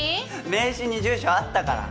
名刺に住所あったから。